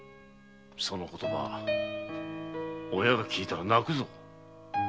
その言葉親が聞いたら泣くぞ。